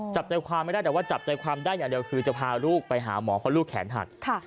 จับใจความไม่ได้แต่ว่าจับใจความได้อย่างเดียวคือจะพาลูกไปหาหมอเพราะลูกแขนหัก